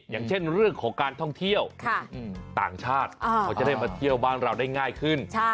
อย่างเช่นเรื่องของการท่องเที่ยวต่างชาติเขาจะได้มาเที่ยวบ้านเราได้ง่ายขึ้น